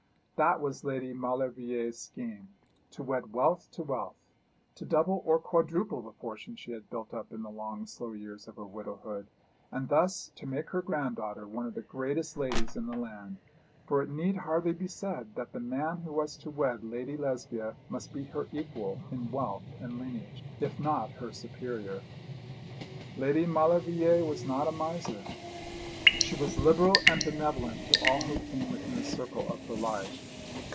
That was Lady Maulevrier's scheme to wed wealth to wealth to double or quadruple the fortune she had built up in the long slow years of her widowhood, and thus to make her granddaughter one of the greatest ladies in the land; for it need hardly be said that the man who was to wed Lady Lesbia must be her equal in wealth and lineage, if not her superior. Lady Maulevrier was not a miser. She was liberal and benevolent to all who came within the circle of her life.